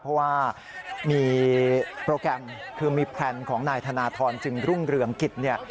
เพราะว่ามีโปรแกรมคือมีแพลนของนายธนทรจึงรุ่งเรืองกิจเนี่ย